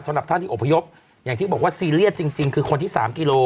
สำหรับท่านที่อบพยพอย่างที่บอกว่าซีเรียสจริงคือคนที่สามกิโล